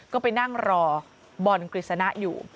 ก็ไปนั่งรอบอลกฤษณะอยู่